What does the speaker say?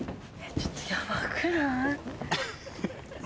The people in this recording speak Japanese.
ちょっとやばくない？